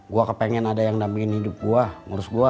gua kepengen ada yang nabihin hidup gua ngurus gua